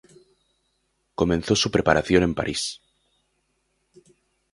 Comenzó su preparación en París.